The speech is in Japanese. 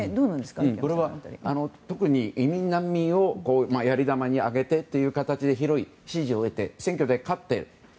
特に移民・難民をやり玉に挙げてという方たちに広い支持を得て選挙で勝っている。